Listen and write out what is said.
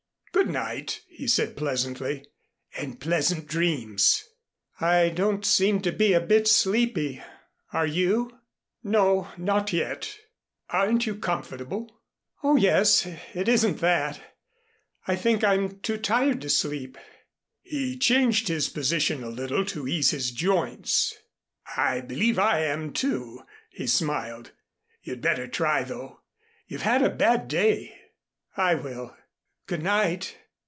"Good night," he said pleasantly, "and pleasant dreams." "I don't seem to be a bit sleepy are you?" "No, not yet. Aren't you comfortable?" "Oh, yes. It isn't that. I think I'm too tired to sleep." He changed his position a little to ease his joints. "I believe I am, too," he smiled. "You'd better try though. You've had a bad day." "I will. Good night."